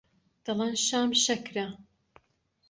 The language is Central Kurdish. دەڵێن شام شەکرە